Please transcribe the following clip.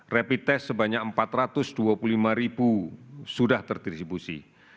rapid test sebanyak empat ratus dua puluh lima ribu sudah terdistribusi